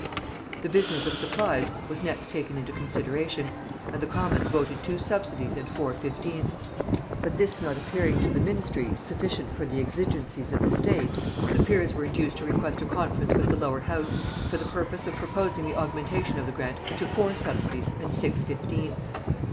The business of supplies was next taken into consideration, and the commons voted two subsidies and four fifteenths; but this not appearing to the ministry sufficient for the exigencies of the state, the peers were induced to request a conference with the lower house for the purpose of proposing the augmentation of the grant to four subsidies and six fifteenths.